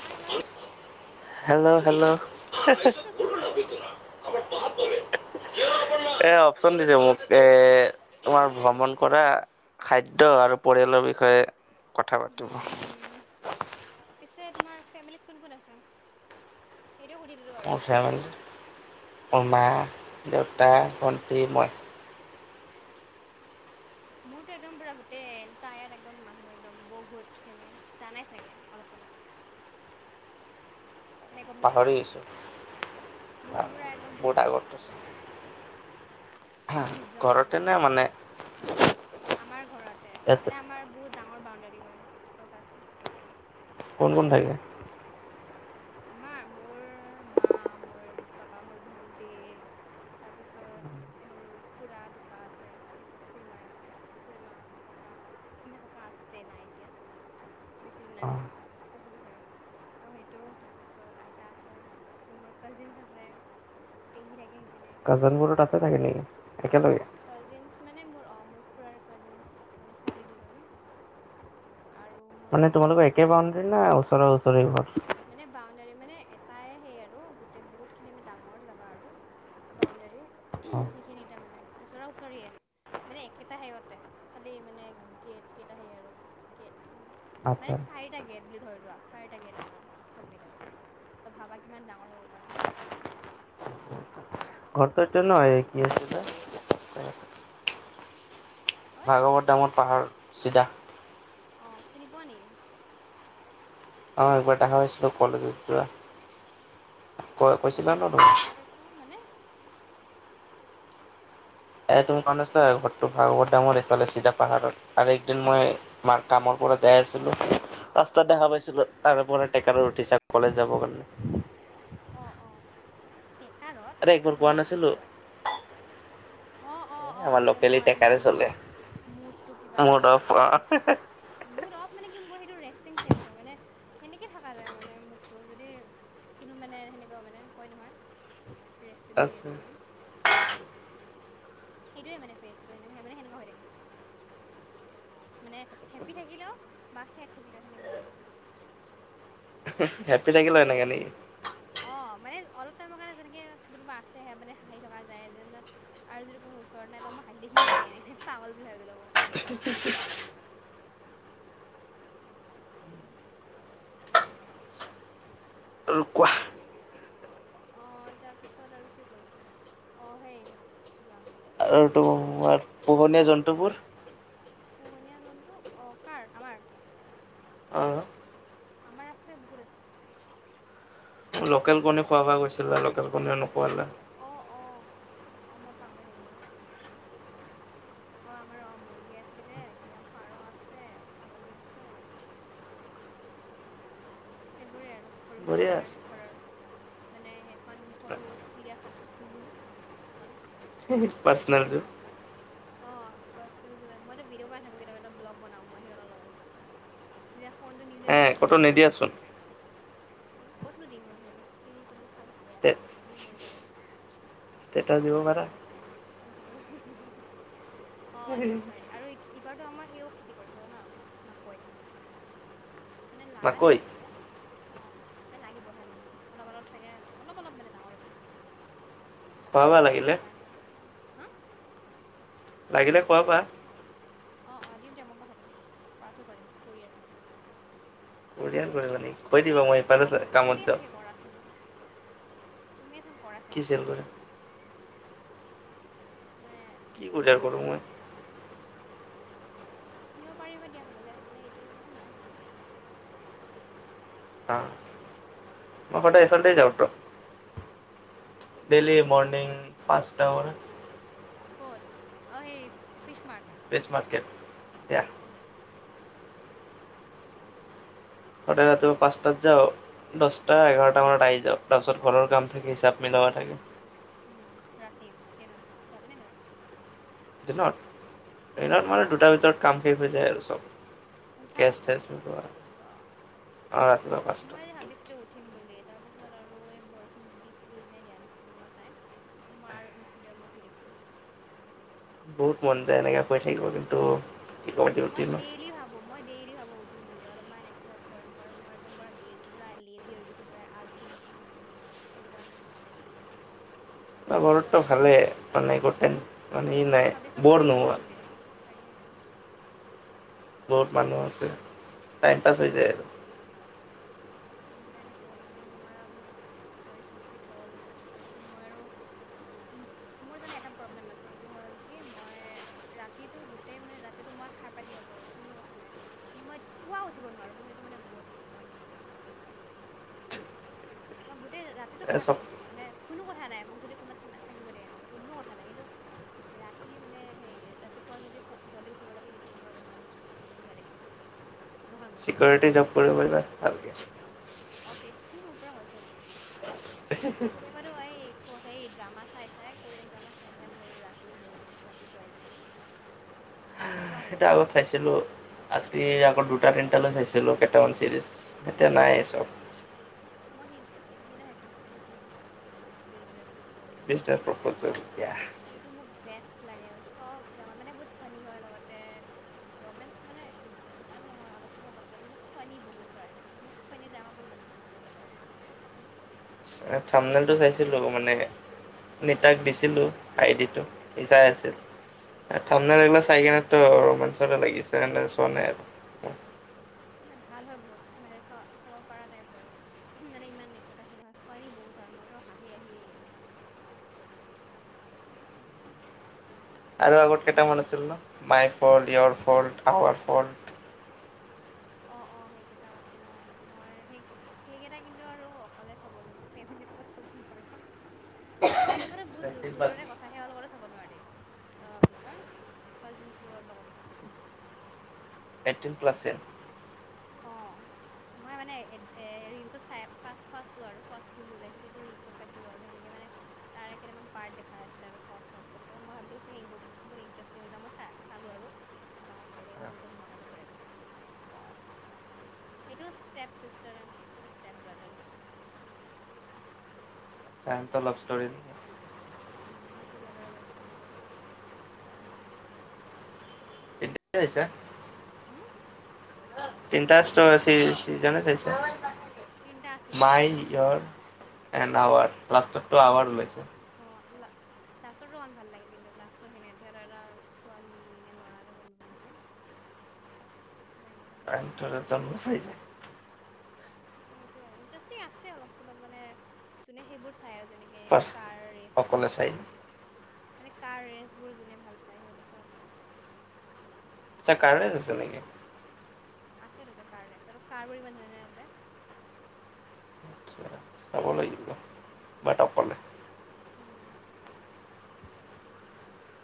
হয় হয় hello hello. [unintelligible] শুনিছোঁ শুনিছোঁ [unintelligible] এ অপচন দিছে মোক এ। তোমাৰ ভ্ৰমণ কৰা খাদ্য আৰু পৰিয়ালৰ বিষয়ে। কথা পাতিব। হুম হুম [unintelligible] পিছে তোমাৰ ফেমিলীত কোন কোন আছে সেইটো সুধি দিলোঁ আৰু। উমা দেউতা ভণ্টি মই মোৰতো একদম পুৰা গোটেই তায়াৰ একদম মানুহ একদম বহুত খিনি জানাই চাগে অলপ চলপ পাহৰি আহিছো মোৰ বুঢ় একদম বহুত মানুহ আছে আমাৰ ঘৰত হ বিছজনমান ঘৰতে ন মানে আমাৰ ঘৰতে ইয়াতে মানে আমাৰ বহুত ডাঙৰ বাউণ্ডৰী হয় ত তাতে কন্ থাকে আমাৰ মোৰ মা মোৰ পাপা মোৰ ভন্টি তাৰপিছত মোৰ খুৰা দুটা আছে তাৰপিছত খুড়ীমা খু়মা ক মানে ককা আছিলছে নাই এতিয়া বেছি দিন নাই অ হোৱা কৈছিলো চাগে ত' সেইটো তাত তাৰপিছত আইতা আছে তাৰপিছত মোৰ কাজিনছ আছে পেহী থাকে সেইপিনে কাজিন বোৰত আছে থাকে নেকি একেলগে কাজিন মানে মোৰ অ মোৰ খুৰাৰ কাজিনছ মানে ছোৱালী দুজনী আৰু মোৰ মানে সেইপিনে তোমালোকৰ একে থাকে বাউণ্ডেৰী না ওচৰে ওচৰে ঘৰ মানে বাউণ্ডাৰী মানে এটাই সেই আৰু গোটেই বহুত খিনি মানে ডাঙৰ জোগা আৰু বাউণ্ডৰী সেইখিনি তাৰ মানে ওচৰ ওচৰিয়ে মানে একেইটা সেতে খালি মানে গেট কেইটা সে আৰু গে উ মানে আচ্ছা চাৰিটা গেট বুলি ধৰিলোৱা চাৰিটা গেট আমাৰ চব মিলাই ত ভাবা কিমান ডাঙৰ হব পাৰে ঘৰটোৰ হয় কি আছে ক'ত ভাগৱত নামত পাহাৰ চিধা অ, চিনি পোৱা নেকি অ', একবাৰ দেখা হৈছিলো কলেজত যোৱা ক কৈছিলা ন কলেজত তুমি যোৱা দেখা পাইছা মানে এ, তুমি কাৰণ আছা ঘৰতো ভাগৱত ডাঙৰ এইফালে চিধা পাহাৰত আৰু একদিন মই তোমাৰ কামৰ যাই আছিলোঁ ৰাস্তাত দেখা পাইছিলো আৰু তাৰেপৰা ট্ৰেকাৰত উঠিছা কলেজ যাবৰ কাৰণে অ', অ', ট্ৰেকাৰত আৰে একবাৰ সেইটো কোৱা মেজিক নাছিলো কয় অঁ আমাৰ লোকেল ই টেকাৰ চলে মুডটো কিবা টাইপ মুড অফ আছিল মুড অফ মানে মোৰ সেইটো ৰেষ্টিং ফেচ হয় মানে সেনেকে থাককা যায় মানে মুখটো যদি কোনো মানে সেনেকুৱা মানে কয় নহয় ৰেষ্টণ্ট ফেচ বুলি সেইটোৱে মানে ফেচ মানে সেনেকুৱা হৈ থাকে মানে হে্পী থাকিলেও বা ছেড থাকিলেও সেনেকুৱাই এহ, হেপ্পি থাকিলে এনেকে নেকি অ, মানে অলপ টাইমৰ কাৰণে যেনেকে কোনোবা আছেহে মানে হাঁহি থকা যায় যে আৰু যিটো ওচৰত নাই তই মই হাঁহি দেখিম নেকি এনে পাগল বুলি ভাবি ল'ব [inaudible] আৰু কোৱা আহ তাৰপিছত আৰু কি কৰিছিলো আহ সেই কিবা আৰু তোমাৰ পোহনীয়া জন্তুবোৰ পোহনীয়া জন্তু অ', কাৰ আমাৰ অ আমাৰ আছে, বহুত আছে লোকেল কণী খোৱাব গৈছিলে লোকেল কণীয়েও নোখোৱালে অ', অ', মই পাাহৰি থাকিলো [inaudible] অ, আমাৰ অ', মুৰ্গী আছিলে এতিয়া পাৰ আছে, ছাগলী আছে হয় সেইবোৰেই আৰু সৰু- সুৰা বঢ়িয়া আমাৰ আছে ঘৰৰ মানে এখন সৰু চিৰিয়াখানা জু এখন [unintelligible] অ, পাৰ্ছনেল যুও, মই ভিডিঅ' বনাই থাকো কেতিয়াবা এটা ব্লগ বনাও মই সিহঁতৰ লগত। যেতিয়া ফোনটো নিউ দি হে আহিছিল নহয় ক'তো তেতিয়া। নিদিয়াচোন এ, ক'তনো দিম আৰু সেইবোৰ চি কোনোবা চালি হাঁহি- ষ্টেট হাঁহি মৰি যাব। ষ্টেটাছ দিব পাৰা। অ', দিব পাৰি আৰু এইবাৰতো আমাৰ সেইও খেতি কৰিছে জানা মাকৈ। মানে লাগা মাকৈ নাই এতিয়ালৈকে। অ', মানে লাগিবহে মানে অলপ-অলপ চাগে অলপ- অলপ মানে ডাঙৰ হৈছে। খোৱাবা লাগিলে। লগা নাই এতিয়ালৈকে হা? লাগিলে খোৱাবা। অ', অ ', দিম দিয় মই পঠাই দিম পাৰ্চল কৰি দিম কৰিয়াৰ। কৰিয়াৰ কৰিবা নেকি? কৈ দিবা মই এইফালে কামত যাম। তুমি এ চন কৰা চাগে কৰে কৰিয়াৰ, মানে কি কোৰিয়াৰ সেইবোৰ কৰো মই? নিব পাৰিবা দিয়া হ'লে মানে এতিয়ালৈকে নাই হোৱা। হা মই সদায় এইফালদিয়ে যাওঁটো। সেই ডেইলি ইপিনে যোৱা মৰ্নিং ক'ত পাঁচটা বজাত। কত? অ', এই ফিছ মাৰ্ত? বেষ্ট মাৰ্কেট এতিয়া। [unintelligible] সদায় ৰাতিুপুৱা পাঁচটাত যাও। দহটা এঘাৰটা মানত আহি যাও। তাৰপিছত ঘৰ কাম থাকে হিচাপ মিলাব লগা থাকে। উম, ৰাতি? দিনত ৰাতি নে দিনত? নত দিনত মানে দুটা বিতৰত কাম শেষ হৈ যায় আৰু চব উঠা গেছ পাঁচটা চেছ বজাত? মিলোৱা অ, আৰু ৰাতিপুৱা মই পাঁচটা মই ভাবিছিলো উঠিম বুলি তাৰপিছত আৰু এই বৰষুণ দিছিল নে দিয়া নাছিল মনত তাই চ' মই আৰু নুঠিলে মই শুই থাকিলোঁ। বহুত মন যায় এনেকে ক থাকিব কিন্তু কি ক'ব মই ডিউটি ন ডেইলি ভাবো মই ডেইলি ভাবো। উম বুলি অলপ্ম কাৰণ মইম প লজ হৈ গছ আলচি নিচিনা। এই কাৰানে। [inaudible] বৰতটো ভালে মানে গোট মানে ই নাই বৰ নোহোৱা। তাকেগে। বহুত মানুহ আছ, টাইম পাছ হৈ যায় আৰু। উ, তাকেতো অলপমান মই ভাবিছিলো ফিট হওঁ অলপমান তাৰপিছত মই আৰু মোৰ জানা এটা প্ৰব্লেম আছে, সেইটো হল কি মই ৰাতিতো গোটেই মানে ৰাতিতো মই সাৰ পাই থাকিব পাৰো কোনো কথা নাই কিন্তু মই পোৱা উঠিব নোৱাৰো মই সেইটো মানে বহুত ডাঙৰ প্ৰব্লেম। মই গোটেই ৰাতিটো আৰু সাৰ পাই চব থাকিম মানে কোনো কথা নাই মোক যদি কোনোবা থাকিব দিয়ে এনেকে কোনো কথা নাই কিন্তু ৰাতি মানে হে ৰাতিপুৱা যদি জলদি উঠিব লাগে সেইটোত মোৰ অলপমান মানে কিবা লাগি যায়। নহয় মোৰ পৰা চিকিউৰিটি জব কৰিব পাৰিবা ভালকে। অ, সেইটোও মোৰ পৰা হৈ যাব কেতিয়াবাো এই সেই ড্ৰামা চাই চাই কোৰিয়ান ড্ৰামা চাই চাই মোৰ ৰাতি সে হৈ যায় ৰাতি পুৱাই যায় একদম। [inaudible] পুৱা হৈ সেইটো যায় আগত চাইছিলোঁ, ৰাতি আ গত দুটা তিনটালৈ চাইছিলোঁ কেইটামান চিৰিজ, এতিয়া নাই এই চব। মই সিদ- সিদিনা খাইছিলোঁ এইটো কি নাম আছিল বিজনেছ। বিজনেছ প্ৰপ'জেল এতিয়া [inaudible] সেইটো মোক বেষ্ট লাগে চব [unintelligible] মানে বহুত ফানী হয় লগতে ৰমেঞ্চ মানে ই ইমান নহয়। অলপ চলপ আছে কিন্তু ফনী বহুত হয় মোক ফনী ড্ৰামাবোৰ বহু [unintelligible] থামমেলটো চাইছিলোঁ মানে নিতাক দিছিলোঁ আইডিটো সি চাই আছিল। [unintelligible] চাই কিনেতো ৰোমাঞ্চ এটা লাগিছে এনেই চোৱা নাই আৰু। ভাল হয় বহুত মানে চ চাব পাৰা টাইপ বাৰু মানে ইমান একো এটা সেই নহয় ফনী বহুত [unintelligible] মইতো হাঁহি হাঁহি [inaudible] আৰু আগত কেইটামান আছিল no my fault, your fault, our fault. অ', অ', সেইকেইটাও আছিল অ' মই সেই সেইকেইটা কিন্তু আৰু অকলে চাব লাগে তেনেকুৱা চাব নোৱাৰো, ফেমেলীৰ লগতো বহু চাইকেল বহুত বাছ দূৰৰে কথা [unintelligible] চাব নোৱাৰি, অ' কি কয় কাজিনবোৰৰ লগতো চাব নোৱাৰি। এইটটিন প্লাছে। [unintelligible] এ ৰিলচত চাই ফাৰ্ষ্ট ফাৰ্ষ্টটো আৰু ফাৰ্ষ্ট যোনটো ওলাইছিল সেইটো ৰিলচত পাইছিলোঁ আৰু সেনেকে মানে তাৰে কেইটামান পাৰ্ট দেখাই আছিলে শৰ্ট শৰ্ট কৰি মই ভাবিলোঁ ব- বহুত ইণ্টাৰেষ্টিং এটা মই চালোঁ আৰু। বাপৰে মোৰটো মনতে পৰি গৈছে ও মাই গড। সেইটো step sister and step brother আছিল। [unintelligible] উম, সি সিহঁতৰে লভ ষ্টৰি হৈ ড্ৰামাটো। [unintelligible] হুম তিনিটা ষ্টোৰ চি চিজনে চাইছা। তিনিটা আছিল অ' চাইছিলোঁ মই। এন আৱাৰ, লাষ্টৰটো অঁ আৱাৰ অঁ ওলাইছে। অঁ লা লাষ্টৰটো ইমান ভাল লাগে কিন্তু লাষ্টৰ খিনি সিহঁতৰ এটা ছোৱালী এনে ল'ৰা এটা জন্ম পায় নেকি। [inaudible] কিবা এনেকুৱা এণ্ড তাৰপিছত শেষ তোৰ হৈ মানে জন্ম ফিনিছ হৈ পাইছে যায়। [unintelligible] সেইটোৱেই ইণ্টাৰেষ্টিং আছে অলপ চলপ মানে জোনে সেইবোৰ চাই আৰু যেনেকে এইটো ফাৰ্ষ্ট কাৰ ৰেচবোৰ। অকলে চাই মানে কাৰ ৰেচবোৰ যোনে ভাল পায় সিহঁতে চাব পাৰে। [unintelligible] কাৰ ৰেচ আছে নেকি। আছে তাতে কাৰ ৰেচ আৰু কাৰবোৰ ইমান ধুনীয়া ধুনীয়া তাতে। আচ্ছা, চাব লাগিব, বাট অকলে। উম,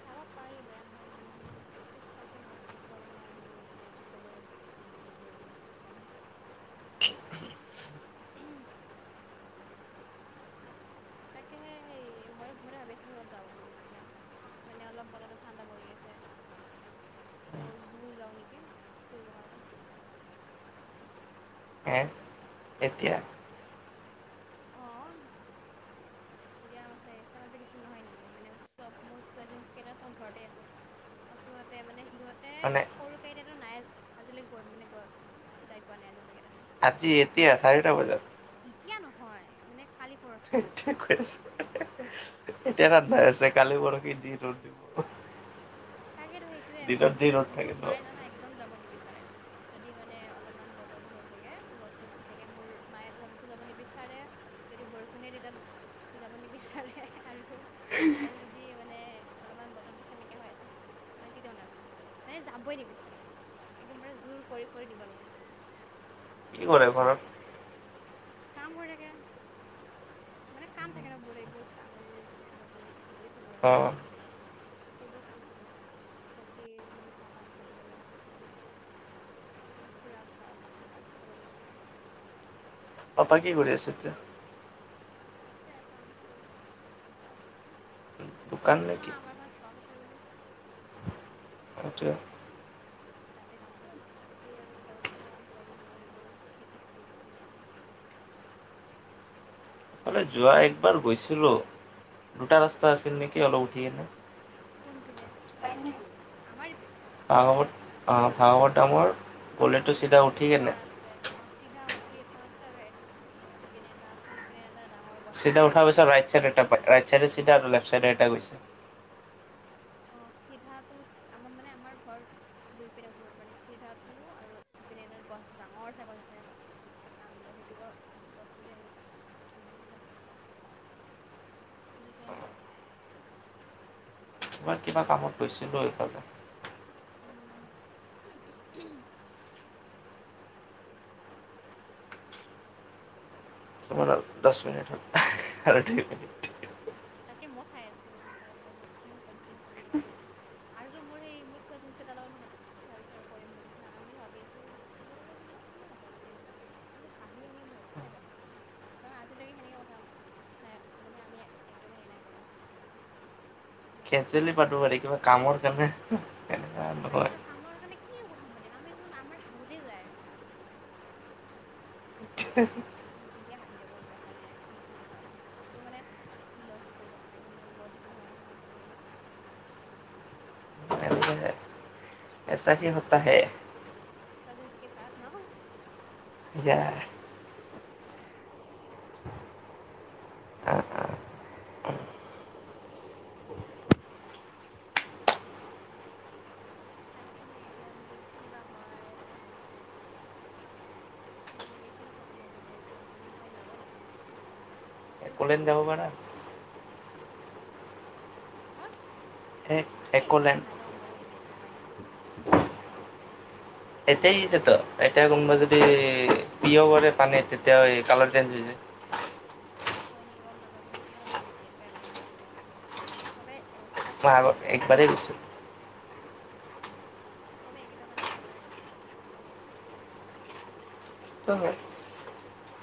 চাব পাৰি বেয়া নহয় ইমান মানে ঠিক থাকে হয় পাছে অলপমান আজিব গৰিব। মানে সেইবোৰ আৰু কি ক'ম। [inaudible] তাকেহে সেই মই মই ভাবি আছিলোঁ সিহঁত যাওঁ বুলি এতিয়া, মানে অলপ বতৰ ঠাণ্ডা পৰি আছে। [inaudible] ত' জু যাওঁ নেকি ফুৰিব কাৰণে। হে এতিয়া অঁ এতিয়া সেই চামাৰ ভেকেচন নহয় নেকি মানে চব মোৰ কাজেনছ কেইটা চব ঘৰতে আছে। ত' সিঁহতে মানে ইহঁত মানে। এতিয়াতো নাই আজিলৈকে গৈ মানে গৈ যাই পোৱা নাই আজিলৈকে তাতে। আজি এতিয়া চাৰিটা বজাত। এতিয়া নহয় মানে কালি পৰশি। [unintelligible] এতিয়া [unintelligible] আছে কালি পৰখি যি ৰ'দ দিব। তাকেতো সেইটোয়ে দিনত মোৰ যি ৰ'দ থাকে মোৰ ন মায়ে জনা একদম যাব নিবিচাৰে [inaudible] যদি মানে অলপমান বতৰটো হে হৈ থাকে ৰদ চত দি থাকে মোৰ মায়ে ৰজতো যাব নিবিচাৰে যদি বৰষুণে তেতিয়া যাব নিবিচাৰে আৰু আৰু যদি মানে অলপমান বতৰ টো সেমেকা হৈ আছে। মানে তেতিয়াও নাজায় মানে যাবই নিবিচাৰে একদম বাৰে জোৰ কৰি কৰি নিব লাগে। কি কৰে ঘৰত। কাম কৰি থাকে। মানে কাম থাকে ন বহুত এইবোৰ ছাগলী আছে কিব বো এইবোৰকে চাব লাগে। অঁ [unintelligible] সেইবোৰ কাম থাকে আৰু বাকী মোৰ পাপাক ভাত দিব লাগে তাৰপিছত সেইপিনে খুৰা মানে ভাত পঠাব লাগে এনেকৈ পাপা কি কৰি আছে এতিয়া? আছে কাম কৰি দোকান কৈছিলো নেকি নহয় আমাৰ এখন চব আছে। দি [unintelligible] সেইটোৱে। তাতে কাম কৰি আছে বাকী আৰু ঘৰত থাকে কাম কিবা কিবি বহুত এইবোৰ খেতি চেতি কিবি ? [unintelligible] যোৱা একবাৰ গৈছিলো দুটা ৰাস্তা আছিল নেকি অলপ উঠি সেনে কোনপিনে আমাৰ ইপিনে। [unintelligible] ত দামৰ গলিটো অ', চিধা ইপিনে উঠি দুটা কেনে আছে অ'। চিধা উঠি এটা আছে আৰু ইপিনে এটা আছে সিপিনে এটা ডাঙৰ গছ আছে চিধা যে উঠা পিছত ৰাইট চাইড এটা পায় ৰাইট চাইডে চিধা আৰু লেফ্ট চাইডে এটা গৈছে। অ', চিধাটোত আমাৰ মানে আমাৰ ঘৰত দুই পিনে উঠিব পাৰে চিধাটো আৰু পিনে তাত গছ ডাঙৰ চ গছ আছে প্ৰকাণ্ড সেইটো গ গছটো দি আহিব পাৰি মানে ৰাস্তাটো দুই পানেই পাৰে। তোমাৰ কিবা কামত গৈছিলোঁ এইফালে। উম। তাৰ দচ মিনিট দুই আৰু মিনিট। তাকে মই চাই আছো বাৰে বাৰে মই কিনো কম কিনো কম এনেকুৱা লাগি আছে। আৰু মোৰ সেই মোৰ কজিনকেইটাৰ লগতই ভ ভাবিছো আৰু কৰিম বুলি হা আমি ভাবি আছো ইহতৰ লগত কিন্ত কি কথা পাতিম মোৰ হাঁহি হাঁহি মোৰ অৱস্থাই বেয়া হব কাৰণ আজিলৈকে সেনেকে কথা নাই মানে আমি একদম হেৰি নাই কৰা আজিলৈকে সেনেকৈ কেজেউলি পাতো পাৰি কিবা কামৰ কাৰণে এনেকা নহয় তাকেতো কামৰ কাৰণে কি কথা পাতিম আমিচোন আমাৰ হাহোতে যায়। উ [unintelligible] আমি যিহে হাঁহ থাকো একদম মানে যি টি কথাত হেটো মানে ইলজিকেল কথা একম যি তি কথাত হাঁ থাকো আমি [unintelligible] [inaudible] এইছা হি হোতা হে। কজিন্স কে চাথ ন। যে [inaudible] তাকে সে এতিয়া বোলো কিবা হয় তাকে ভাবিছো মই। চামাৰ ভেকেচনো খতম হৈ যাব এতিয়া কো মই যাবই নাপাম ফুৰিবৰ কাৰণে। ক'তোৱে একোলেন্ড নাপাম যাব পাৰা। হা [unintelligible] এক‌ একোলেন্ড। ক ত [unintelligible] এতিয় হৈছে তো এতিয়া কোনোবাই যদি প্ৰিয় কৰে পানী তেতিয়া কালাৰ চেঞ্জ হৈ যায় [inaudible] [inaudible] হয় নেকি গম নাপাওঁ কিন্তু কিবা এটা মোক লেটাই লাগে নাজানো কিয়। চবেই একেটা পানীতে মানে [unintelligible] হেৰি কৰে একবাৰেই গৈছিলো চবেই একেটা পানীটো সেই কৰে ভাল ভাল নালাগে সেইকাৰণে। [inaudible]